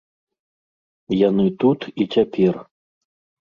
Яны тут і цяпер.